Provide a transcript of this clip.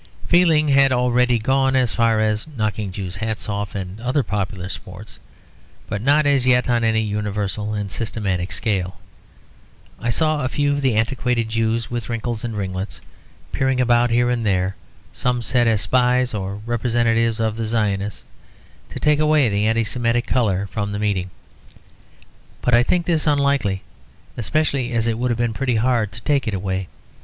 Feeling had already gone as far as knocking Jews' hats off and other popular sports, but not as yet on any universal and systematic scale; I saw a few of the antiquated Jews with wrinkles and ringlets, peering about here and there; some said as spies or representatives of the Zionists, to take away the Anti Semitic colour from the meeting. But I think this unlikely; especially as it would have been pretty hard to take it away.